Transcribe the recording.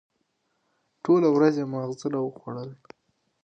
ټوله ورځ یې ماغزه را وخوړل.